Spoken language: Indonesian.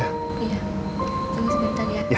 tunggu sebentar ya